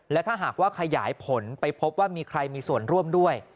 และถ้าหากว่าขยายผลไปพบว่ามีใครมีส่วนร่วมด้วย